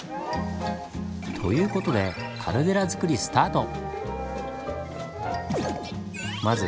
という事でカルデラづくりスタート！